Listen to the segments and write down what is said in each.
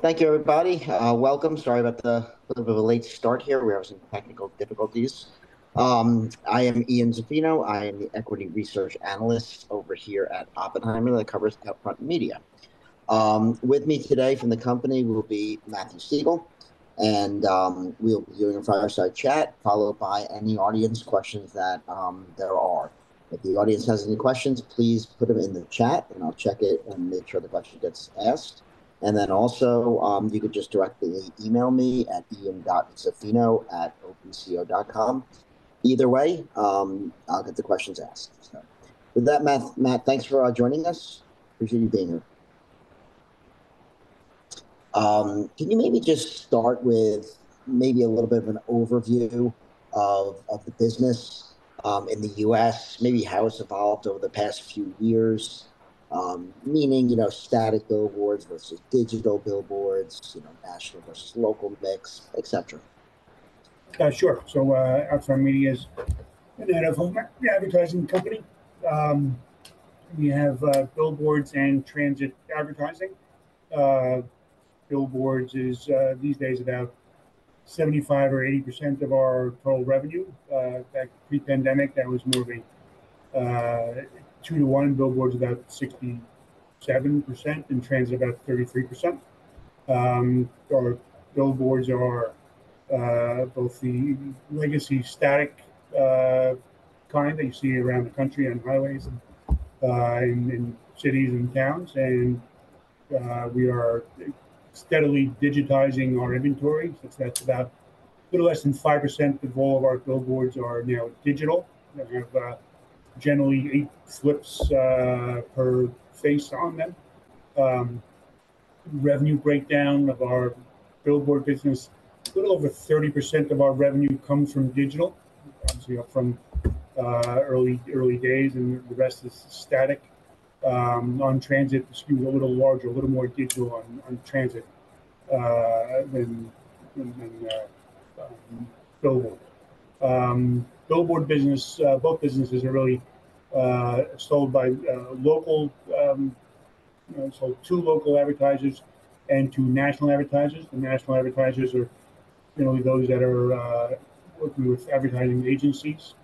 Thank you, everybody. Welcome. Sorry about the, a little bit of a late start here. We were having some technical difficulties. I am Ian Zaffino. I am the equity research analyst over here at Oppenheimer, that covers OUTFRONT Media. With me today from the company will be Matthew Siegel, and we'll be doing a fireside chat, followed by any audience questions that there are. If the audience has any questions, please put them in the chat, and I'll check it and make sure the question gets asked. And then also, you could just directly email me at ian.zaffino@opco.com. Either way, I'll get the questions asked, so. With that, Matt, thanks for joining us. Appreciate you being here. Can you maybe just start with maybe a little bit of an overview of the business in the U.S., maybe how it's evolved over the past few years? Meaning, you know, static billboards versus digital billboards, you know, national versus local mix, et cetera. Sure. So, OUTFRONT Media is an out-of-home advertising company. We have billboards and transit advertising. Billboards is these days about 75% or 80% of our total revenue. That pre-pandemic, that was moving 2-to-1, billboards about 67%, and transit about 33%. Our billboards are both the legacy static kind that you see around the country, on highways, and in cities and towns. We are steadily digitizing our inventory. So that's about a little less than 5% of all of our billboards are now digital. We have generally 8 slips per face on them. Revenue breakdown of our billboard business, a little over 30% of our revenue comes from digital, obviously, up from early days, and the rest is static. On transit, it's a little larger, a little more digital on transit than billboard. Billboard business, both businesses are really sold by local. So two local advertisers and two national advertisers. The national advertisers are generally those that are working with advertising agencies.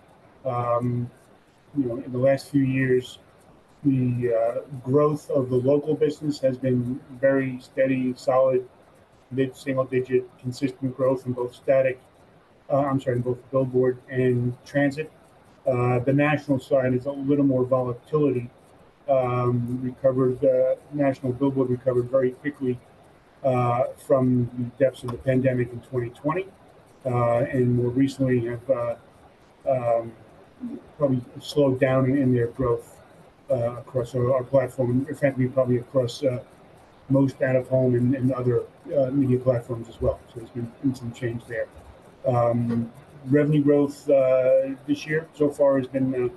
You know, in the last few years, the growth of the local business has been very steady, solid, mid-single-digit, consistent growth in both static, I'm sorry, in both billboard and transit. The national side is a little more volatility. National billboard recovered very quickly from the depths of the pandemic in 2020, and more recently have probably slowed down in their growth across our platform, effectively, probably across most out-of-home and other media platforms as well. So there's been some change there. Revenue growth this year so far has been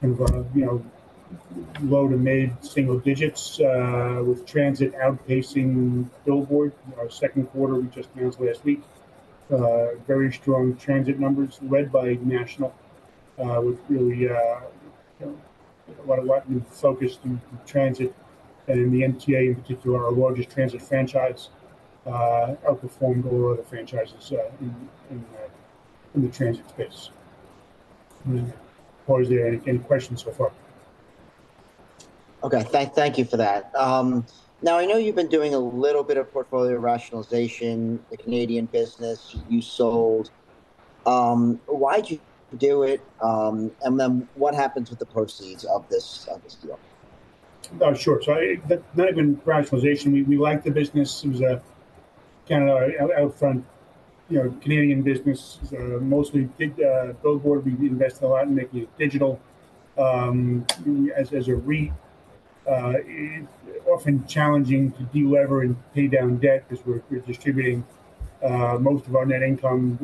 kind of, you know, low to mid single digits with transit outpacing billboard. Our second quarter, we just announced last week, very strong transit numbers led by national with really a lot, a lot focused in transit and in the MTA, in particular, our largest transit franchise outperformed all other franchises in the transit space. Pause there. Any questions so far? Okay, thank you for that. Now, I know you've been doing a little bit of portfolio rationalization. The Canadian business, you sold. Why'd you do it, and then what happens with the proceeds of this, of this deal? Sure. So that's not even rationalization. We like the business. It was Canada OUTFRONT, you know, Canadian business is mostly big billboard. We invest a lot in making it digital. As a REIT, it's often challenging to delever and pay down debt, because we're distributing most of our net income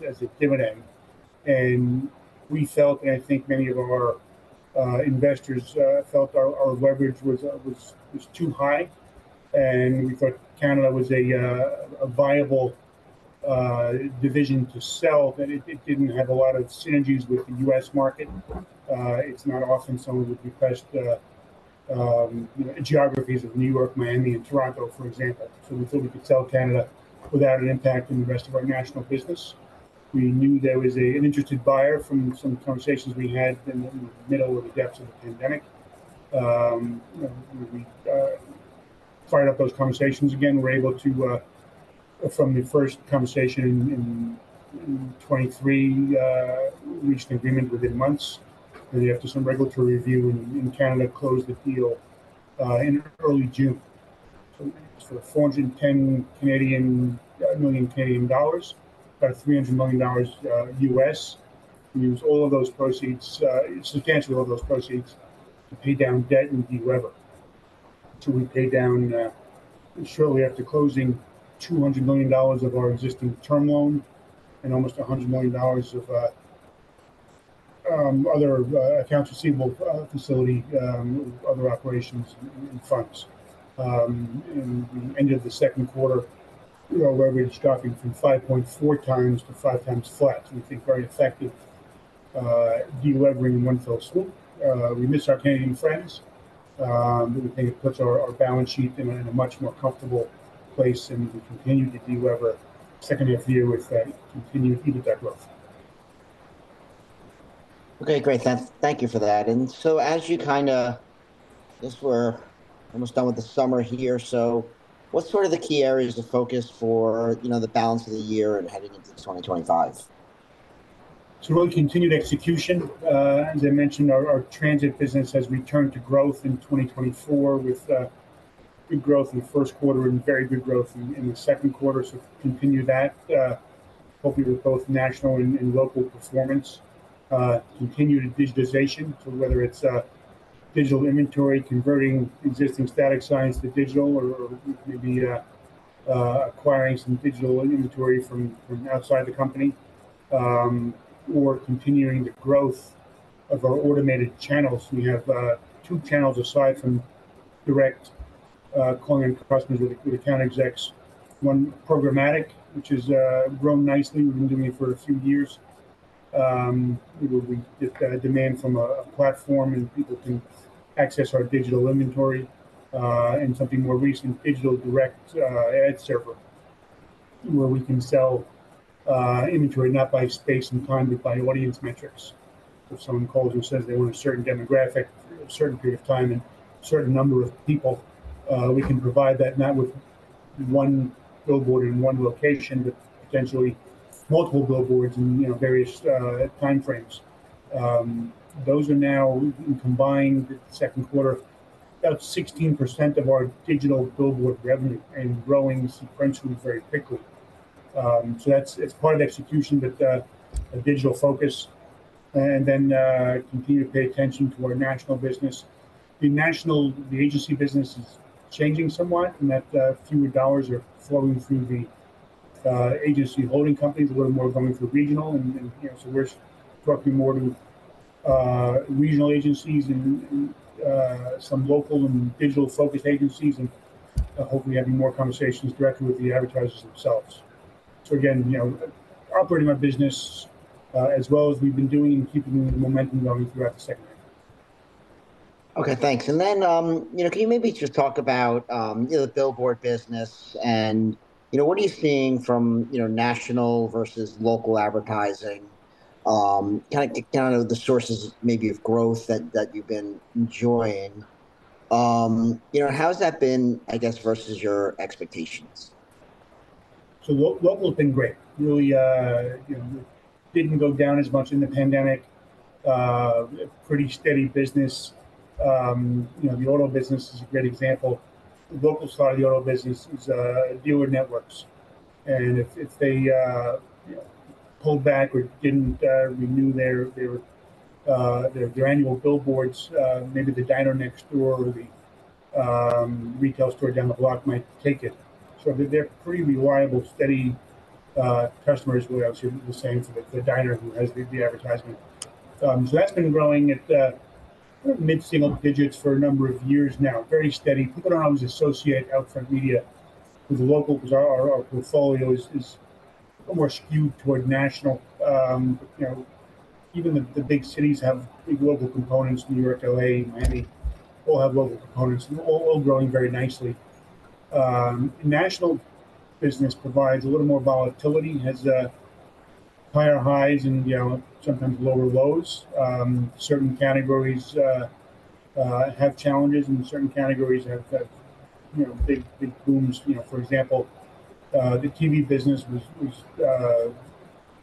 as a dividend. We felt, and I think many of our investors felt our leverage was too high, and we thought Canada was a viable division to sell. But it didn't have a lot of synergies with the U.S. market. It's not often someone would request geographies of New York, Miami, and Toronto, for example. So we thought we could sell Canada without an impact on the rest of our national business. We knew there was an interested buyer from some conversations we had in the middle of the depths of the pandemic. We fired up those conversations again, we're able to, from the first conversation in 2023, we reached an agreement within months, and after some regulatory review in Canada, closed the deal in early June. So for 410 million Canadian dollars, about $300 million. We use all of those proceeds, substantially all those proceeds, to pay down debt and delever. So we paid down, shortly after closing, $200 million of our existing term loan and almost $100 million of other accounts receivable facility, other OUTFRONT operations. In the end of the second quarter, our leverage dropping from 5.4x to 5x flat, we think very effective. De-levering one fell swoop. We miss our Canadian friends, but we think it puts our balance sheet in a much more comfortable place, and we continue to de-lever second half of the year with that, continue to feed that growth. Okay, great. Thank you for that. And so as you kinda, I guess we're almost done with the summer here, so what's sort of the key areas of focus for, you know, the balance of the year and heading into 2025? Really continued execution. As I mentioned, our transit business has returned to growth in 2024, with good growth in the first quarter and very good growth in the second quarter. Continue that, hopefully with both national and local performance. Continued digitization, so whether it's digital inventory, converting existing static signs to digital, or maybe acquiring some digital inventory from outside the company, or continuing the growth of our automated channels. We have two channels aside from direct calling and customers with account execs. One, programmatic, which has grown nicely. We've been doing it for a few years. We get the demand from a platform, and people can access our digital inventory. And something more recent, digital direct, ad server, where we can sell, inventory not by space and time, but by audience metrics. So if someone calls and says they want a certain demographic, a certain period of time, and a certain number of people, we can provide that, not with one billboard in one location, but potentially multiple billboards in, you know, various, time frames. Those are now, we combined the second quarter, about 16% of our digital billboard revenue and growing sequentially very quickly. So that's... It's part of the execution, but, a digital focus and then, continue to pay attention to our national business. The national, the agency business is changing somewhat in that, fewer dollars are flowing through the, agency holding companies, a little more going through regional, and, and, you know, so we're talking more to, regional agencies and, and, some local and digital-focused agencies, and, hopefully, having more conversations directly with the advertisers themselves. So again, you know, operating our business, as well as we've been doing and keeping the momentum going throughout the second half. Okay, thanks. And then, you know, can you maybe just talk about, you know, the billboard business and, you know, what are you seeing from, you know, national versus local advertising? Kind of a breakdown of the sources maybe of growth that, that you've been enjoying. You know, how has that been, I guess, versus your expectations? So local has been great. Really, you know, didn't go down as much in the pandemic, pretty steady business. You know, the auto business is a great example. The local side of the auto business is dealer networks, and if they pull back or didn't renew their annual billboards, maybe the diner next door or the retail store down the block might take it. So they're pretty reliable, steady customers. We obviously the same for the diner who has the advertisement. So that's been growing at mid-single digits for a number of years now. Very steady. People don't always associate OUTFRONT Media with local, 'cause our portfolio is more skewed toward national. You know, even the big cities have big local components, New York, L.A., Miami, all have local components, all growing very nicely. National business provides a little more volatility, has higher highs and, you know, sometimes lower lows. Certain categories have challenges, and certain categories have got, you know, big booms. You know, for example, the TV business was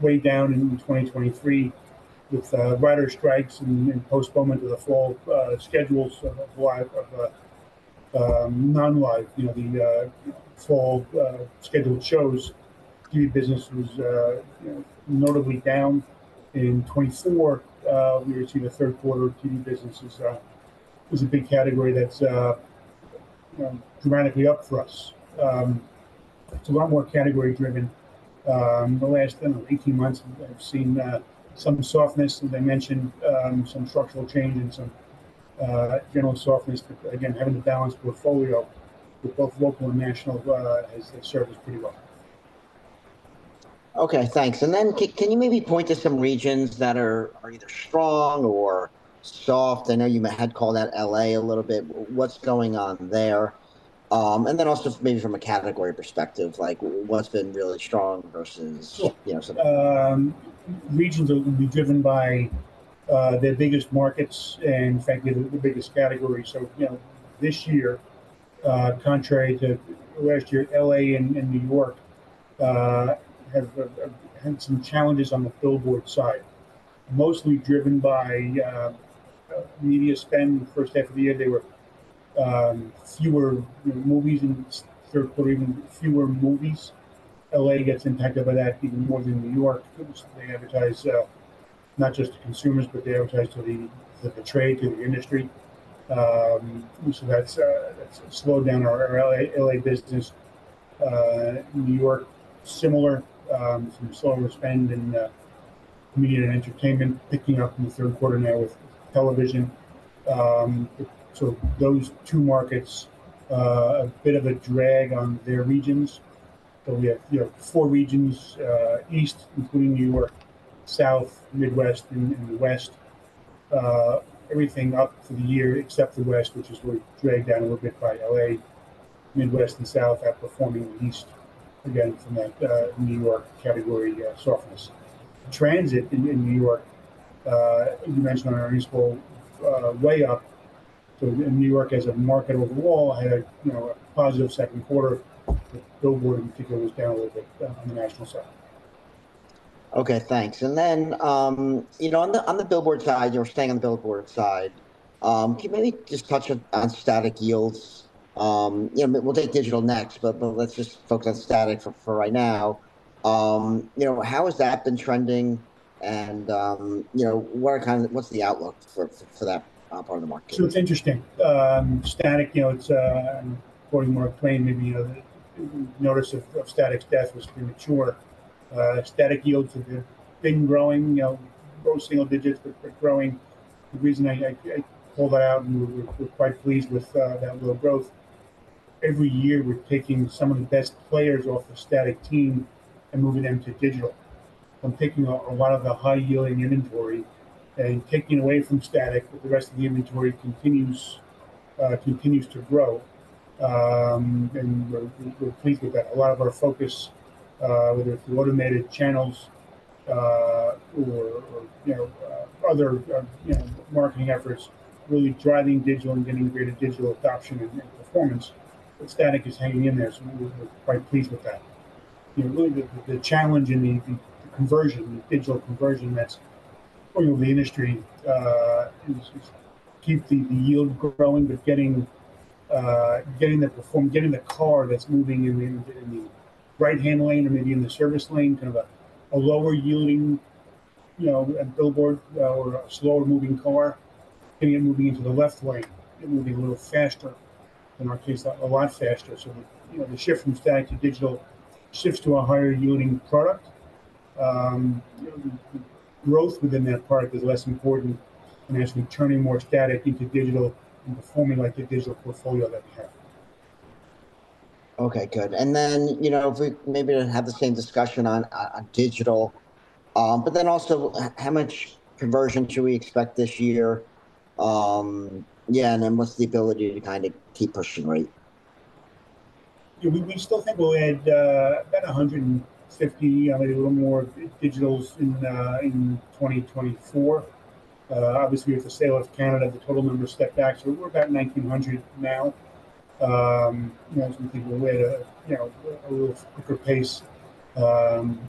way down in 2023 with writer strikes and postponement of the fall schedules of live, of non-live, you know, the fall scheduled shows. TV business was, you know, notably down in 2024. We see the third quarter. TV business is a big category that's, you know, dramatically up for us. It's a lot more category driven. The last, I don't know, 18 months, we've seen some softness, as I mentioned, some structural change and some general softness. But again, having a balanced portfolio with both local and national has served us pretty well. Okay, thanks. And then can you maybe point to some regions that are either strong or soft? I know you had called out L.A. a little bit. What's going on there? And then also maybe from a category perspective, like what's been really strong versus- Sure You know, so. Regions will be driven by their biggest markets and in fact, the biggest category. So, you know, this year, contrary to last year, L.A. and New York have had some challenges on the billboard side, mostly driven by media spend. In the first half of the year, there were fewer movies, and third quarter, even fewer movies. L.A. gets impacted by that even more than New York because they advertise not just to consumers, but they advertise to the trade, to the industry. So that's slowed down our L.A. business. New York, similar, some slower spend in media and entertainment, picking up in the third quarter now with television. So those two markets, a bit of a drag on their regions. But we have, you know, four regions, East, including New York, South, Midwest, and the West. Everything up for the year, except the West, which is really dragged down a little bit by L.A. Midwest and South outperforming the East, again, from that New York category softness. Transit in New York, you mentioned on our earnings call, way up. So New York as a market overall, had a, you know, a positive second quarter. Billboard, in particular, was down a little bit on the national side. Okay, thanks. And then, you know, on the billboard side, you're staying on the billboard side, can you maybe just touch on static yields? You know, we'll take digital next, but let's just focus on static for right now. You know, how has that been trending? And, you know, what's the outlook for that part of the market? So it's interesting. Static, you know, I'm quoting Mark Twain, maybe, you know, the notice of static's death was premature. Static yields have been growing, you know, low single digits, but they're growing. The reason I pull that out, and we're quite pleased with that little growth. Every year, we're taking some of the best players off the static team and moving them to digital, and taking a lot of the high-yielding inventory and taking away from static, but the rest of the inventory continues to grow. And we're pleased with that. A lot of our focus, whether it's through automated channels, or you know, other you know, marketing efforts, really driving digital and getting greater digital adoption and performance, but static is hanging in there, so we're quite pleased with that. You know, really, the challenge in the conversion, the digital conversion that's going on in the industry, is to keep the yield growing, but getting the car that's moving in the right-hand lane or maybe in the service lane, kind of a lower-yielding billboard or a slower-moving car, getting it moving into the left lane and moving a little faster. In our case, a lot faster. So, you know, the shift from static to digital shifts to a higher-yielding product. Growth within that product is less important than actually turning more static into digital and performing like the digital portfolio that we have. Okay, good. And then, you know, if we maybe don't have the same discussion on, on digital, but then also, how much conversion should we expect this year? Yeah, and then what's the ability to kind of keep pushing rate? Yeah, we still think we'll add about 150, maybe a little more, digitals in 2024. Obviously, with the sale of Canada, the total numbers stepped back, so we're about 1,900 now. You know, as we think we'll add you know a little quicker pace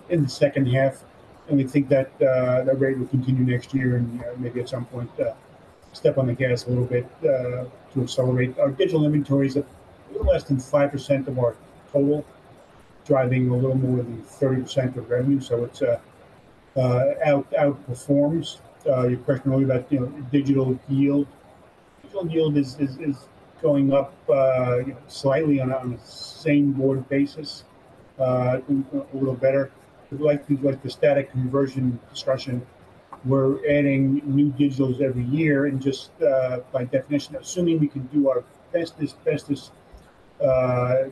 in the second half, and we think that that rate will continue next year and maybe at some point step on the gas a little bit to accelerate. Our digital inventory is a little less than 5% of our total, driving a little more than 30% of revenue, so it's outperforms. Your question earlier about you know digital yield. Digital yield is going up you know slightly on a same board basis a little better. Likely, like the static conversion discussion, we're adding new digitals every year and just, by definition, assuming we can do our best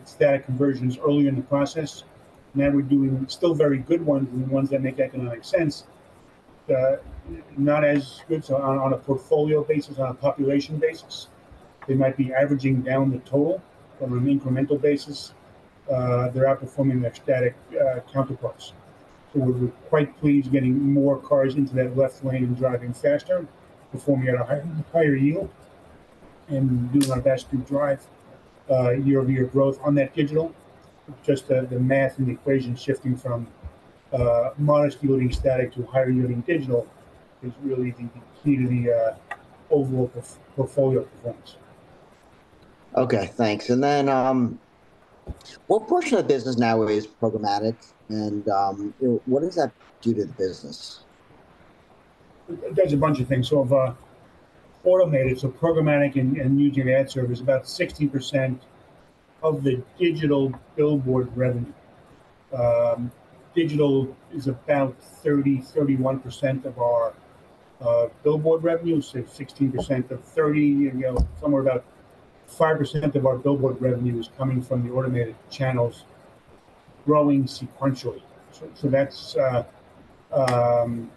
static conversions early in the process, now we're doing still very good ones and ones that make economic sense. Not as good on a portfolio basis, on a population basis, they might be averaging down the total. On an incremental basis, they're outperforming their static counterparts. So we're quite pleased getting more cars into that left lane and driving faster, performing at a higher yield, and doing our best to drive year-over-year growth on that digital. Just the math and the equation shifting from modest-yielding static to higher-yielding digital is really the key to the overall portfolio performance. Okay, thanks. Then, what portion of the business now is programmatic, and what does that do to the business? There's a bunch of things. So of automated, so programmatic and digital ad server is about 60% of the digital billboard revenue. Digital is about 30, 31% of our billboard revenue, so 60% of 30, and, you know, somewhere about 5% of our billboard revenue is coming from the automated channels growing sequentially. So that's, you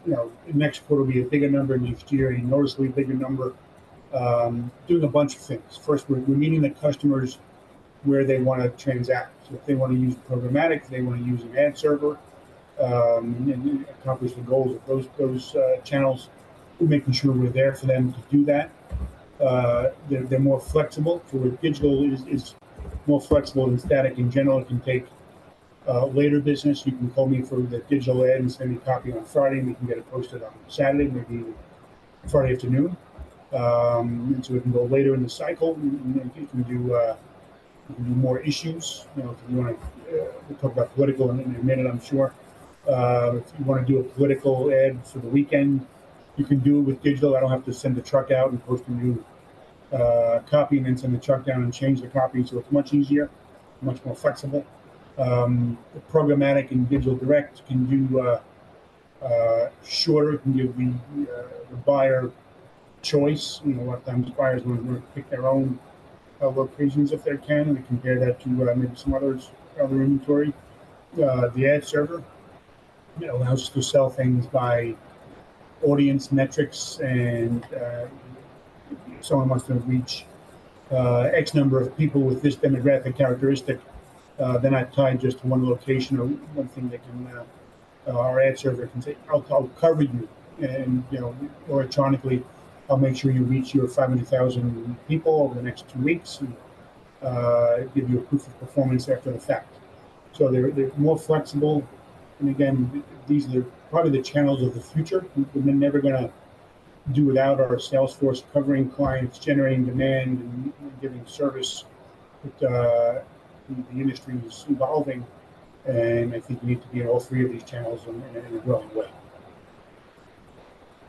know, next quarter will be a bigger number, and next year, a noticeably bigger number, doing a bunch of things. First, we're meeting the customers where they want to transact. If they want to use programmatic, they want to use an ad server, and accomplish the goals of those channels, we're making sure we're there for them to do that. They're more flexible. Digital is more flexible than static. In general, it can take later business. You can call me for the digital ad and send me a copy on Friday, and we can get it posted on Saturday, maybe Friday afternoon. So we can go later in the cycle, and we can do more issues. You know, if you want to, we'll talk about political in a minute, I'm sure. If you want to do a political ad for the weekend, you can do it with digital. I don't have to send a truck out and post a new copy and then send the truck down and change the copy. So it's much easier, much more flexible. Programmatic and digital direct can do shorter can give the buyer choice. You know, a lot of times buyers want to pick their own locations if they can, and compare that to maybe some other's other inventory. The ad server, it allows us to sell things by audience metrics and someone wants to reach X number of people with this demographic characteristic than not tied just to one location or one thing they can. Our ad server can say, "I'll cover you, and you know, electronically, I'll make sure you reach your 500,000 people over the next two weeks, and give you a proof of performance after the fact." So they're more flexible, and again, these are probably the channels of the future. We're never gonna do without our sales force covering clients, generating demand, and giving service, but the industry is evolving, and I think we need to be in all three of these channels in a growing way.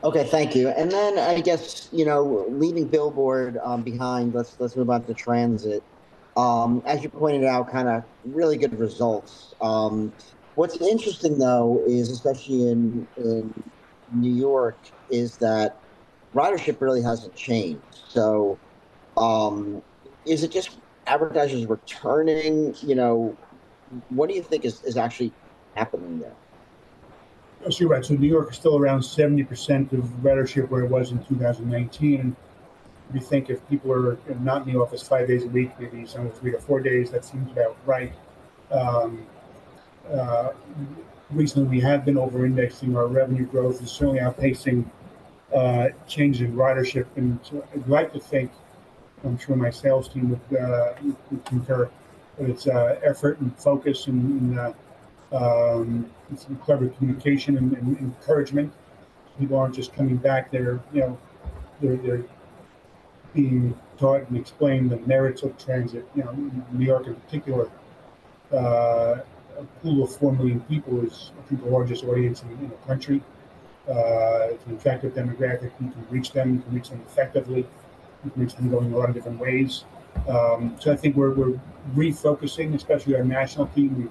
Okay, thank you. And then I guess, you know, leaving billboard behind, let's move on to transit. As you pointed out, kind of really good results. What's interesting, though, is especially in New York that ridership really hasn't changed. So, is it just advertisers returning? You know, what do you think is actually happening there? That's right. So New York is still around 70% of ridership where it was in 2019. We think if people are not in the office five days a week, maybe somewhere three or four days, that seems about right. Recently, we have been over-indexing our revenue growth is certainly outpacing change in ridership, and so I'd like to think, I'm sure my sales team would concur, but it's effort and focus and some clever communication and encouragement. People aren't just coming back they're, you know, they're being taught and explained the merits of transit. You know, New York, in particular, a pool of 4 million people is I think the largest audience in the country. It's an attractive demographic. You can reach them, you can reach them effectively. You can reach them going a lot of different ways. So I think we're refocusing, especially our national team. We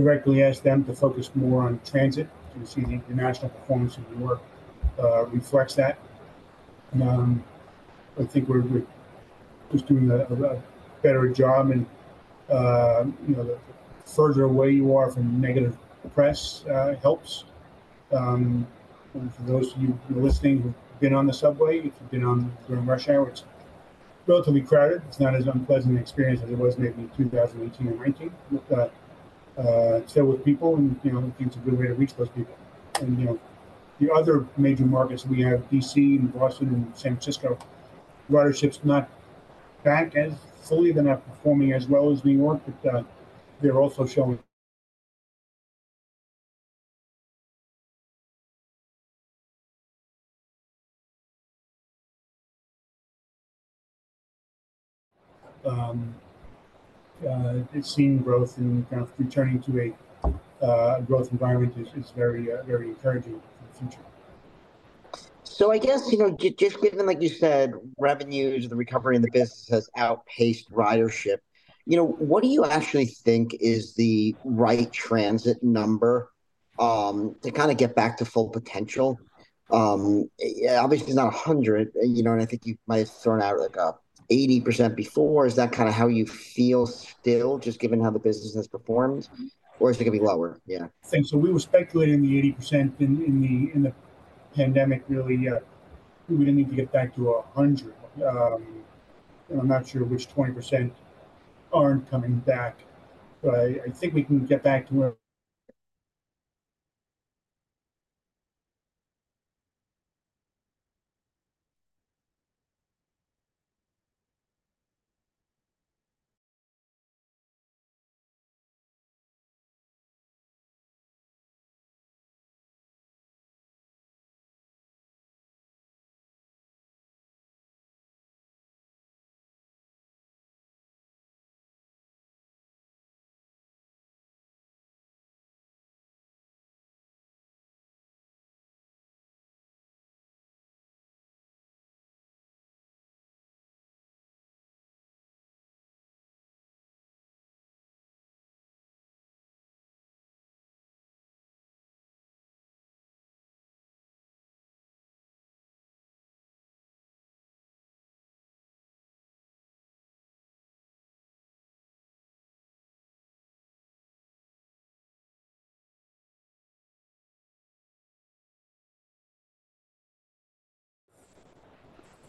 directly ask them to focus more on transit, and we see the national performance of New York reflects that. I think we're just doing a better job, and you know, the further away you are from negative press helps. And for those of you who are listening, who've been on the subway, if you've been on during rush hour, it's relatively crowded. It's not as unpleasant experience as it was maybe in 2018 and 2019, but still with people, and you know, I think it's a good way to reach those people. And you know, the other major markets we have, D.C., and Boston, and San Francisco, ridership's not back as fully. They're not performing as well as New York, but they're also showing... it's seeing growth and kind of returning to a growth environment is very encouraging for the future. So I guess, you know, just given, like you said, revenues, the recovery in the business has outpaced ridership. You know, what do you actually think is the right transit number to kind of get back to full potential? Yeah, obviously, it's not 100, you know, and I think you might have thrown out, like, an 80% before. Is that kind of how you feel still, just given how the business has performed, or is it going to be lower? Yeah. I think so. We were speculating the 80% in the pandemic, really, we would need to get back to 100%. And I'm not sure which 20% aren't coming back, but I think we can get back to where...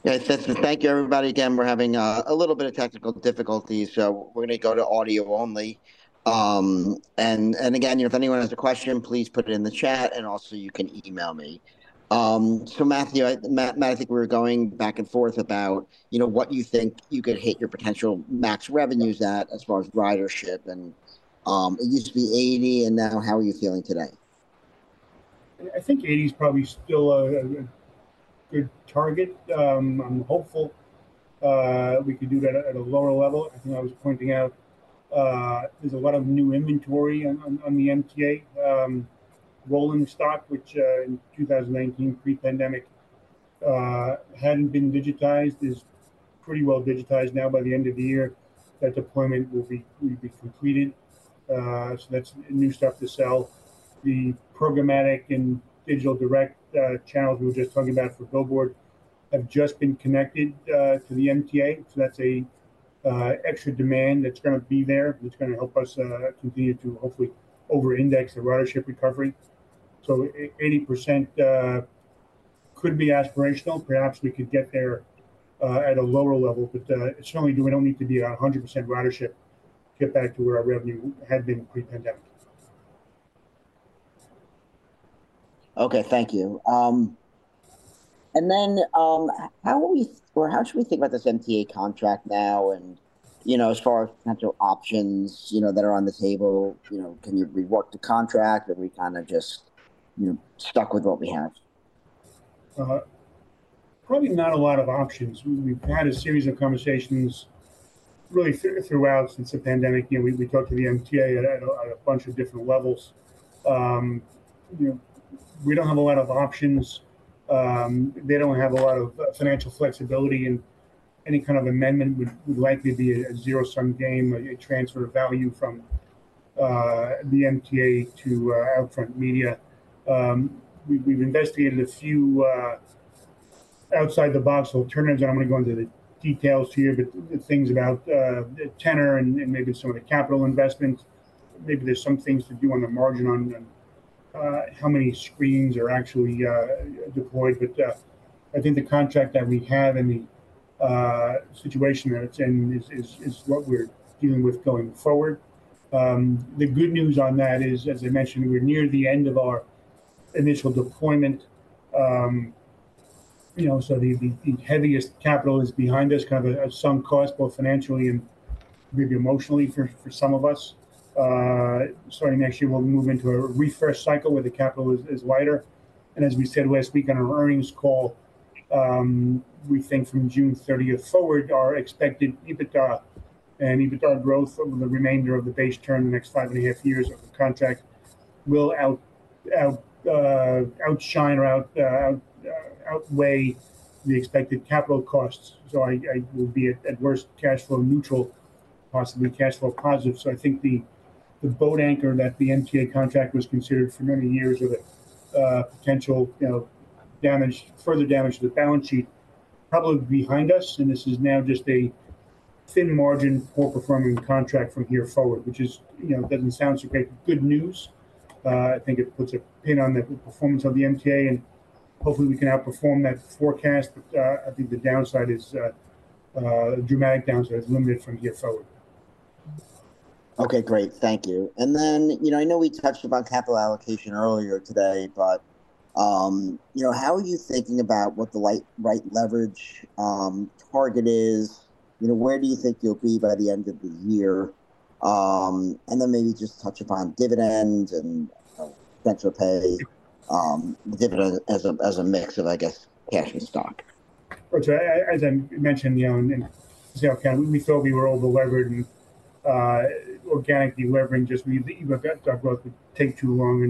Yeah, thank you, everybody. Again, we're having a little bit of technical difficulties, so we're going to go to audio only. And again, if anyone has a question, please put it in the chat, and also you can email me. So Matthew, Matt, Matthew, we're going back and forth about, you know, what you think you could hit your potential max revenues at, as far as ridership, and it used to be 80, and now how are you feeling today? I think 80 is probably still a good target. I'm hopeful we can do that at a lower level. I think I was pointing out there's a lot of new inventory on the MTA rolling stock, which in 2018, pre-pandemic, hadn't been digitized, is pretty well digitized now. By the end of the year, that deployment will be completed. So that's new stuff to sell. The programmatic and digital direct channels we were just talking about for billboards have just been connected to the MTA. So that's extra demand that's gonna be there, that's gonna help us to be able to hopefully overindex the ridership recovery. So 80% could be aspirational. Perhaps we could get there at a lower level, but certainly we don't need to be at 100% ridership to get back to where our revenue had been pre-pandemic. Okay, thank you. Then, how are we or how should we think about this MTA contract now? You know, as far as potential options, you know, that are on the table, you know, can you rework the contract, or we kinda just, you know, stuck with what we have? Probably not a lot of options. We've had a series of conversations really throughout, since the pandemic. You know, we talked to the MTA at a bunch of different levels. You know, we don't have a lot of options. They don't have a lot of financial flexibility, and any kind of amendment would likely be a zero-sum game, a transfer of value from the MTA to OUTFRONT Media. We've investigated a few outside the box alternatives. I'm not gonna go into the details here, but things about the tenure and maybe some of the capital investments. Maybe there's some things to do on the margin on how many screens are actually deployed. But I think the contract that we have and the situation that it's in is what we're dealing with going forward. The good news on that is, as I mentioned, we're near the end of our initial deployment. You know, so the heaviest capital is behind us, kind of at some cost, both financially and maybe emotionally for some of us. Starting next year, we'll move into a refresh cycle, where the capital is lighter. And as we said last week on our earnings call, we think from June thirtieth forward, our expected EBITDA and EBITDA growth over the remainder of the base term, the next five and a half years of the contract, will outshine or outweigh the expected capital costs. So I would be, at worst, cash flow neutral, possibly cash flow positive. So I think the boat anchor that the MTA contract was considered for many years with potential, you know, damage, further damage to the balance sheet, probably behind us, and this is now just a thin margin, poor-performing contract from here forward, which is, you know, doesn't sound so great. Good news, I think it puts a pin on the performance of the MTA, and hopefully we can outperform that forecast. But I think the downside is, dramatic downside is limited from here forward. Okay, great. Thank you. And then, you know, I know we touched about capital allocation earlier today, but, you know, how are you thinking about what the right, right leverage, target is? You know, where do you think you'll be by the end of the year? And then maybe just touch upon dividends and potential pay, dividend as a, as a mix of, I guess, cash and stock. Well, as I mentioned, you know, in Canada, we felt we were overleveraged, and organically levering just means that growth would take too long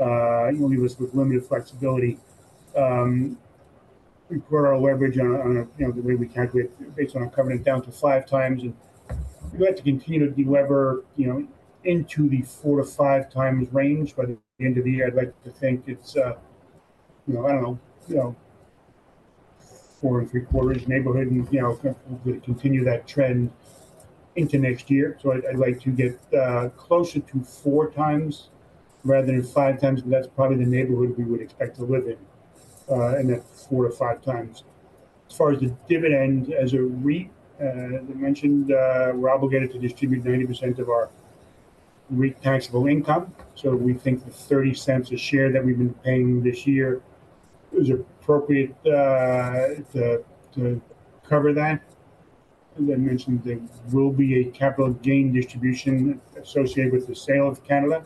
and leave us with limited flexibility. We put our leverage, you know, the way we calculate, based on our covenant, down to 5x, and we have to continue to delever, you know, into the 4x-5x range by the end of the year. I'd like to think it's, you know, I don't know, you know, 4.75 neighborhood, and, you know, continue that trend into next year. So I'd like to get closer to 4x rather than 5x, but that's probably the neighborhood we would expect to live in, in that 4x-5x. As far as the dividend, as a REIT, as I mentioned, we're obligated to distribute 90% of our REIT taxable income, so we think the $0.30 a share that we've been paying this year is appropriate, to cover that. As I mentioned, there will be a capital gain distribution associated with the sale of Canada.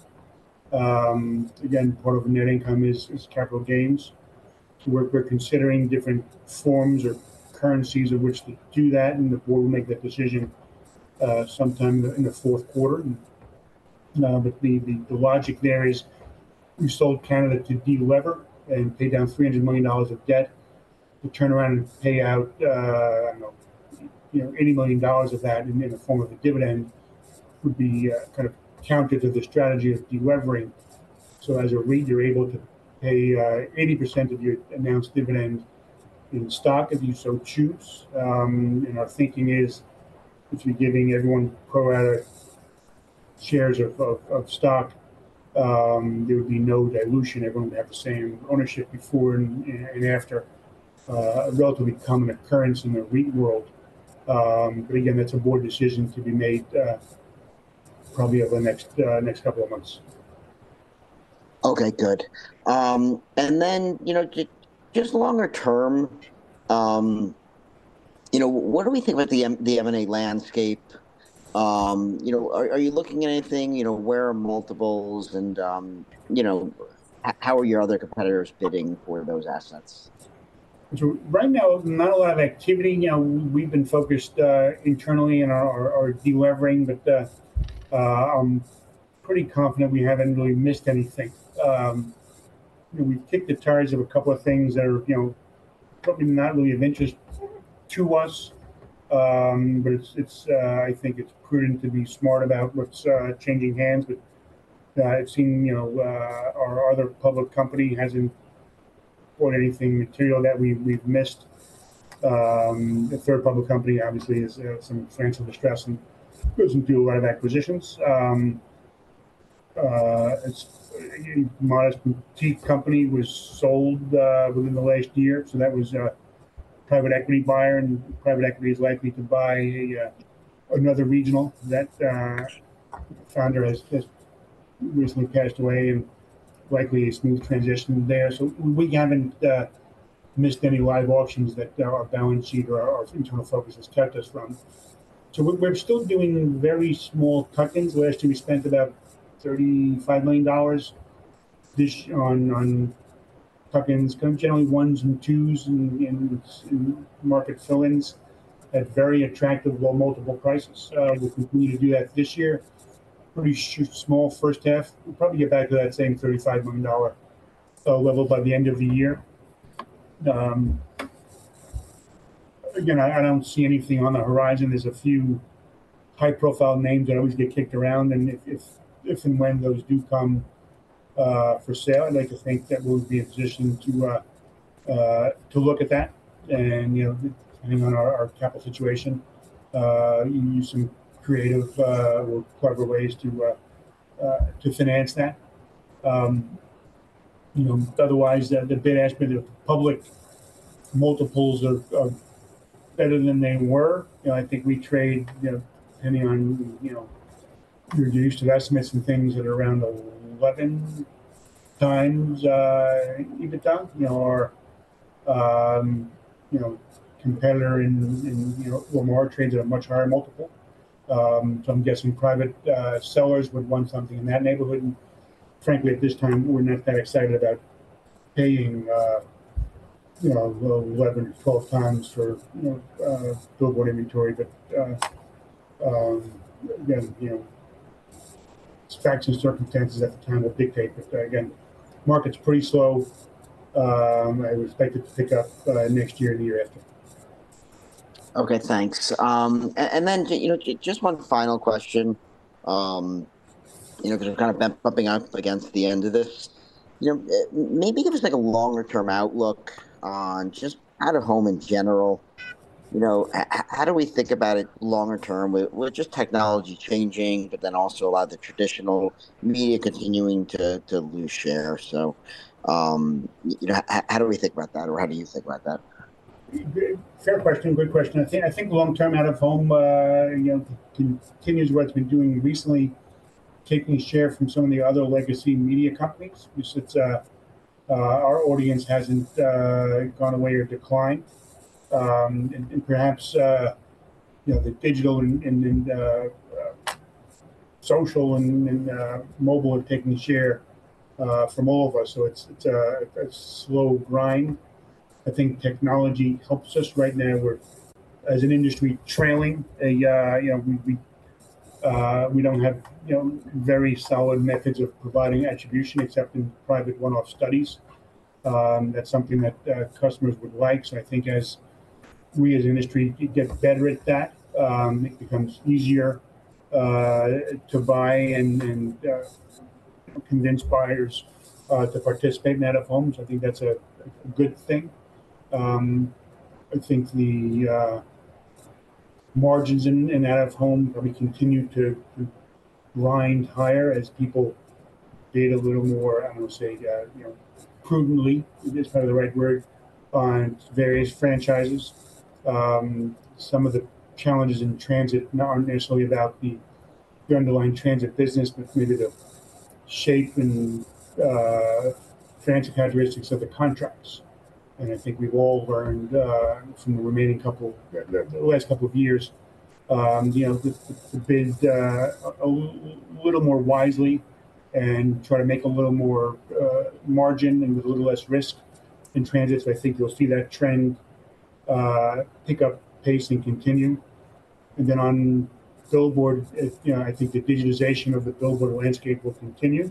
Again, part of the net income is capital gains. So we're considering different forms or currencies in which to do that, and the board will make that decision, sometime in the fourth quarter. But the logic there is, we sold Canada to delever and pay down $300 million of debt to turn around and pay out, I don't know, you know, $80 million of that in the form of a dividend, would be kind of counter to the strategy of delevering. So as a REIT, you're able to pay 80% of your announced dividend in stock if you so choose. And our thinking is, if you're giving everyone pro rata shares of stock, there would be no dilution. Everyone would have the same ownership before and after a relatively common occurrence in the REIT world. But again, that's a board decision to be made, probably over the next couple of months. Okay, good. Then, you know, just longer term, you know, what do we think about the M&A landscape? You know, are you looking at anything, you know, where are multiples and, you know, how are your other competitors bidding for those assets? So right now, not a lot of activity. You know, we've been focused internally on our delevering, but pretty confident we haven't really missed anything. You know, we've kicked the tires of a couple of things that are, you know, probably not really of interest to us. But it's, I think it's prudent to be smart about what's changing hands. But I've seen, you know, our other public company hasn't bought anything material that we've missed. The third public company obviously is, you know, some financial distress and goes into a lot of acquisitions. It's a modest boutique company, was sold within the last year, so that was a private equity buyer. And private equity is likely to buy another regional. That founder has recently passed away, and likely a smooth transition there. So we haven't missed any live auctions that our balance sheet or our internal focus has kept us from. So we're still doing very small tuck-ins. Last year, we spent about $35 million on tuck-ins, generally ones and twos and market fill-ins at very attractive low multiple prices. We continue to do that this year. Pretty small first half. We'll probably get back to that same $35 million level by the end of the year. Again, I don't see anything on the horizon. There's a few high-profile names that always get kicked around, and if and when those do come for sale, I'd like to think that we'll be in a position to look at that. You know, depending on our capital situation, use some creative or clever ways to finance that. You know, otherwise, the bid-ask, the public multiples are better than they were. You know, I think we trade, you know, depending on reduced estimates and things that are around 11x EBITDA. You know, our competitor, Lamar, trades at a much higher multiple. So I'm guessing private sellers would want something in that neighborhood. And frankly, at this time, we're not that excited about paying 11x-12x for billboard inventory. But again, you know, facts and circumstances at the time will dictate. But again, market's pretty slow. I expect it to pick up next year and the year after. Okay, thanks. And then, you know, just one final question, you know, because we're kind of bumping up against the end of this. You know, maybe give us, like, a longer-term outlook on just out-of-home in general. You know, how do we think about it longer term, with just technology changing, but then also a lot of the traditional media continuing to lose share? So, you know, how do we think about that, or how do you think about that? Fair question. Good question. I think long-term out-of-home, you know, continues what it's been doing recently, taking share from some of the other legacy media companies. Which it's, our audience hasn't gone away or declined. And perhaps, you know, the digital and social and mobile are taking share from all of us, so it's a slow grind. I think technology helps us right now. We're, as an industry, trailing a. You know, we don't have very solid methods of providing attribution except in private one-off studies. That's something that customers would like. So I think as we as an industry get better at that, it becomes easier to buy and convince buyers to participate in out-of-home. So I think that's a good thing. I think the margins in out-of-home probably continue to grind higher as people bid a little more, I will say, you know, prudently, if that's kind of the right word, on various franchises. Some of the challenges in transit aren't necessarily about the underlying transit business, but maybe the shape and financial characteristics of the contracts. And I think we've all learned from the last couple of years, you know, to bid a little more wisely and try to make a little more margin and with a little less risk in transit. So I think you'll see that trend pick up pace and continue. And then on billboard, you know, I think the digitization of the billboard landscape will continue.